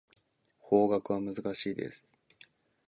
法学は難しいです。